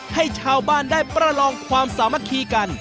ให้ชาวบ้านได้ประลองความสามัคคีกัน